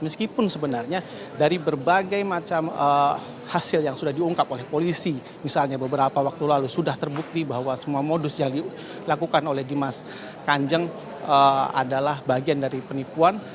meskipun sebenarnya dari berbagai macam hasil yang sudah diungkap oleh polisi misalnya beberapa waktu lalu sudah terbukti bahwa semua modus yang dilakukan oleh dimas kanjeng adalah bagian dari penipuan